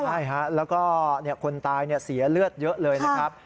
ใช่ฮะแล้วก็คนตายเสียเลือดเยอะเลยนะครับ